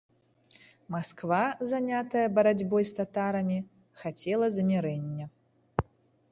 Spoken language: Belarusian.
Масква, занятая барацьбой з татарамі, хацела замірэння.